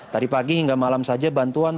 tadi pagi hingga malam saja bantuan